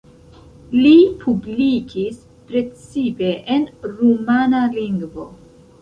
Li publikis precipe en rumana lingvo.